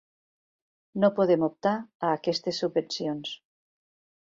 No podem optar a aquestes subvencions.